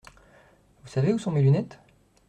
Vous savez où sont mes lunettes ?